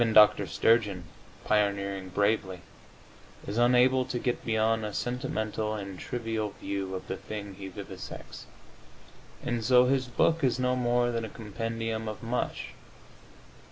Even Dr. Sturgeon, pioneering bravely, is unable to get beyond a sentimental and trivial view of the thing he vivisects, and so his book is no more than a compendium of mush.